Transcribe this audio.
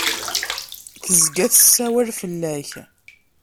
Tezga tessawal fell-ak.